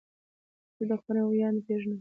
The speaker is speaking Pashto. زه د خپرونې ویاند پیژنم.